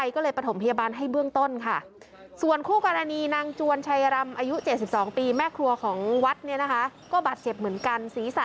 ของวัดเนี้ยนะคะก็บาดเจ็บเหมือนกัน